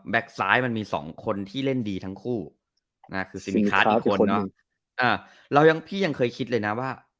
แบ๊กซ้ายมันมีสองคนที่เร่นดีทั้งคู่ซิมมามีค่าสอีกคนพี่ยังเคยคิดเลยนะ